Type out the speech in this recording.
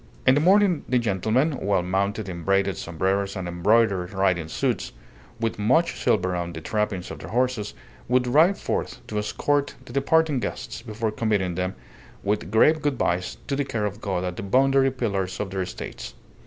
In the morning the gentlemen, well mounted in braided sombreros and embroidered riding suits, with much silver on the trappings of their horses, would ride forth to escort the departing guests before committing them, with grave good byes, to the care of God at the boundary pillars of their estates.